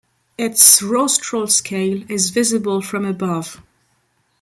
Its rostral scale is visible from above.